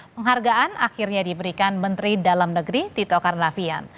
penghargaan akhirnya diberikan menteri dalam negeri tito karnavian